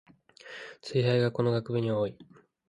ツイ廃がこの学部には多い